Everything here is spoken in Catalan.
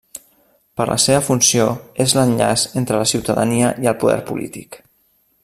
Per la seva funció, és l'enllaç entre la ciutadania i el Poder polític.